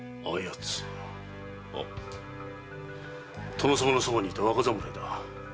殿様の側にいた若侍だ。